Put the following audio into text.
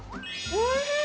おいしい。